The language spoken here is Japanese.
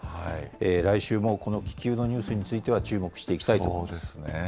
来週もこの気球のニュースについては、注目していきたいところです。